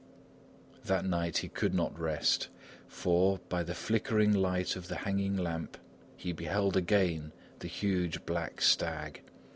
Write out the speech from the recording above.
That night he could not rest, for, by the flickering light of the hanging lamp, he beheld again the huge black stag.